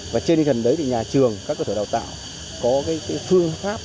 và trên hình thần đấy thì nhà trường các cơ thể đào tạo có cái phương pháp